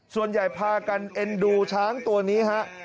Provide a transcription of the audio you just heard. ส่วนใหญ่พากันเอ็นดูช้างตัวนี้ฮะ